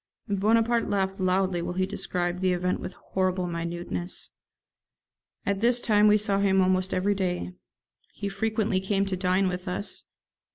Bonaparte laughed loudly while he described the event with horrible minuteness. At this time we saw him almost every day. He frequently came to dine with us.